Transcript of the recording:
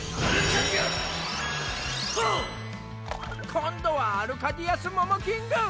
今度はアルカディアス・モモキング！